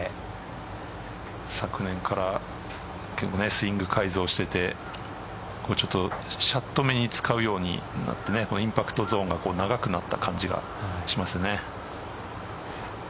昨年からスイングを改造していってシャットめに使うようになってインパクトゾーンが長くなった感じがしますね。